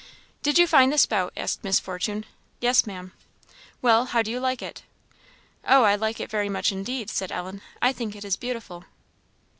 "Did you find the spout?" asked Miss Fortune. "Yes, Maam." "Well, how do you like it?" "Oh, I like it very much indeed," said Ellen. "I think it is beautiful."